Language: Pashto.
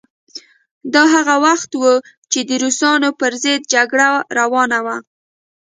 دا هغه وخت و چې د روسانو پر ضد جګړه روانه وه.